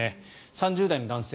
３０代の男性。